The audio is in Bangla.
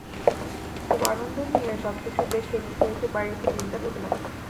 খুব আনন্দ নিয়ে সবকিছু দেখে নিচে এসে বাইরে থেকে বিল্ডিংটা গুনতে লাগলে।